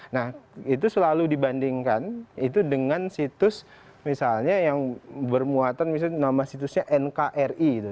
nah itu selalu dibandingkan itu dengan situs misalnya yang bermuatan misalnya nama situsnya nkri